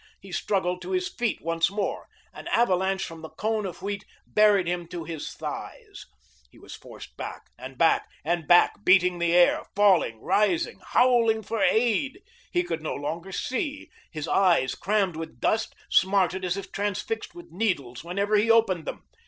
He struggled to his feet once more. An avalanche from the cone of wheat buried him to his thighs. He was forced back and back and back, beating the air, falling, rising, howling for aid. He could no longer see; his eyes, crammed with dust, smarted as if transfixed with needles whenever he opened them.